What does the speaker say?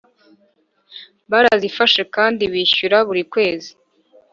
barazifashe kandi bishyura buri kwezi